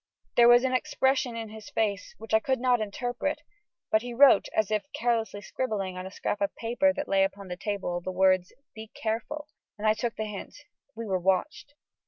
There was an expression in his face which I could not interpret, but he wrote, as if carelessly scribbling on a scrap of paper that lay upon the table, the words, "Be careful," and I took the hint we were watched.